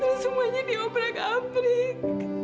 terus semuanya diobrak abrik